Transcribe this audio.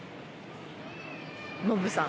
ノブさん。